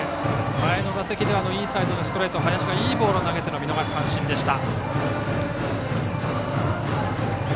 前の打席ではインサイドのストレートを林がいいボールを投げての見逃し三振でした。